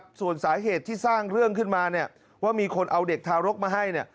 นี่แหละครับส่วนสาเหตุที่สร้างเรื่องขึ้นมาว่ามีคนเอาเด็กทารกมาให้